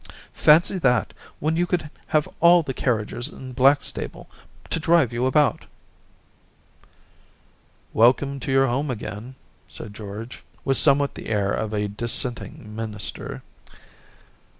* Fancy that, when you could have all the carriages in Blackstable to drive you about !* 'Welcome to your home again,' said George, with somewhat the air of a dis senting minister.